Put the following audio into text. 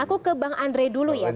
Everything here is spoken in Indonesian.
aku ke bang andre dulu ya